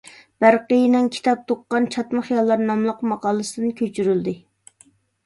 بەرقىينىڭ «كىتاب تۇغقان چاتما خىياللار» ناملىق ماقالىسىدىن كۆچۈرۈلدى.